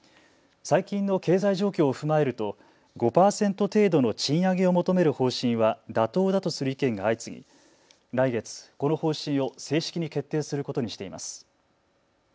最近の経済状況を踏まえると５％程度の賃上げを求める方針は妥当だとする意見が相次ぎ来月、この方針を正式に決定することにしています。